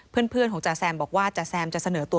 เพื่อนของจ๋าแซมบอกว่าจ๋าแซมจะเสนอตัว